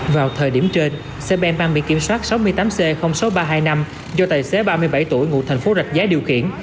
vào thời điểm trên xe ben mang bị kiểm soát sáu mươi tám c sáu nghìn ba trăm hai mươi năm do tài xế ba mươi bảy tuổi ngụ thành phố rạch giá điều khiển